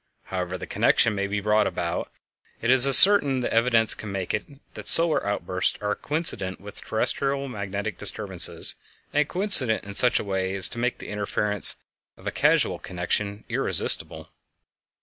However the connection may be brought about, it is as certain as evidence can make it that solar outbursts are coincident with terrestial magnetic disturbances, and coincident in such a way as to make the inference of a causal connection irresistible.